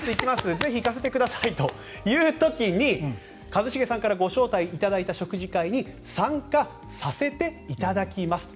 ぜひ行かせてくださいという時に一茂さんからご招待いただいた食事会に参加させていただきますと。